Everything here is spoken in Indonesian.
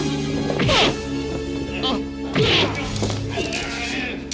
makan pun jadi enak